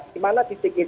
gimana fisik itu